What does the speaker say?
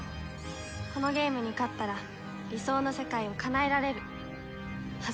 このゲームに勝ったら理想の世界をかなえられるはずだったのに